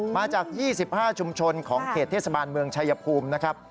มาจาก๒๕ชุมชนของเขตเทศบาลเมืองชายภูมินะครับ